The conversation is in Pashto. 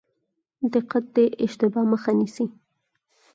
دقت د اشتباه مخه نیسي